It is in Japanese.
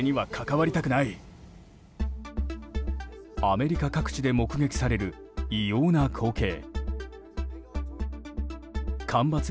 アメリカ各地で目撃される異様な光景。